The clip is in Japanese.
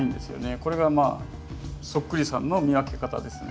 これがそっくりさんの見分け方ですね。